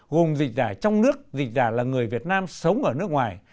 gồm dịch giả trong nước dịch giả là người việt nam sống ở nước ngoài